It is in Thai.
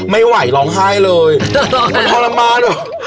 ไม่ไหวร้องไห้เลยมันทรมานเหรอ